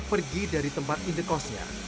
pergi dari tempat indekosnya